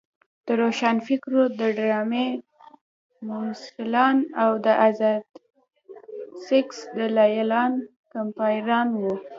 د روښانفکرۍ د ډرامې ممثلان او د ازاد سیکس دلالان کمپاینران وو.